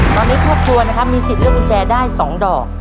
ตอนนี้ครอบครัวนะครับมีสิทธิ์เลือกกุญแจได้๒ดอก